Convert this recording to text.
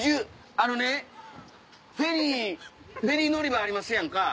あのねフェリー乗り場ありますやんか。